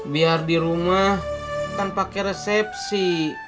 biar di rumah kan pakai resepsi